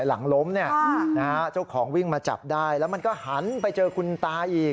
หลังล้มเจ้าของวิ่งมาจับได้แล้วมันก็หันไปเจอคุณตาอีก